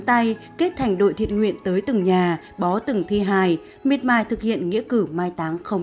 tay kết thành đội thiện nguyện tới từng nhà bó từng thi hài miệt mài thực hiện nghĩa cử mai táng không